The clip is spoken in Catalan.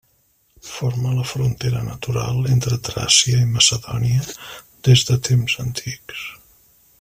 Forma la frontera natural entre Tràcia i Macedònia des de temps antics.